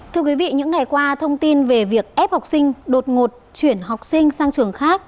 thưa quý vị những ngày qua thông tin về việc ép học sinh đột ngột chuyển học sinh sang trường khác